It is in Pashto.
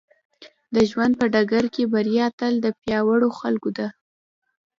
د ژوند په ډګر کې بريا تل د پياوړو خلکو ده.